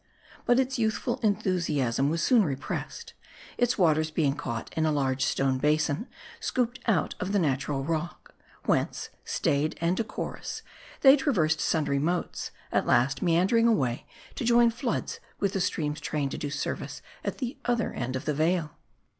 But its youthful enthu siasm was soon repressed ; its waters being caught in a large stone basin, scooped out of the natural rock ; whence, staid and decorous, they traversed sundry moats ; at last mean dering away, to join floods with the streams trained to do service at the other end of the 'vale.